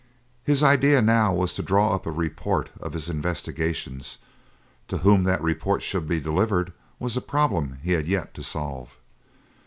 His idea now was to draw up a report of his investigations: to whom that report should be delivered was a problem he had yet to solve.